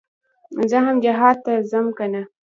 زه هم جهاد ته ځم کنه.